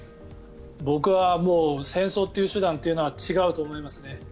僕はもう戦争という手段は違うと思いますね。